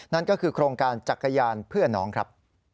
นั่นก็คือโครงการจักรยานเพื่อน้องครับ